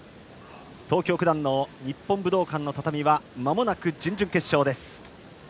東京・九段の日本武道館の畳はまもなく準々決勝です。